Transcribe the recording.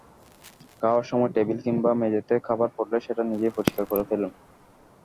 খাওয়ার সময় টেবিল কিংবা মেঝেতে খাবার পড়লে সেটা নিজেই পরিষ্কার করে ফেলুন।